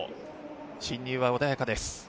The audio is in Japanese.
進入は穏やかです。